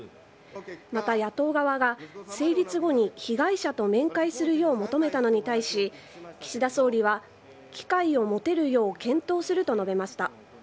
また、野党側が成立後に被害者と面会するよう求めたのに対し岸田総理は機会を持てるよう検討すると述べました。